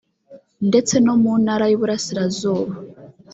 ndetse no mu ntara y’uburasirazuba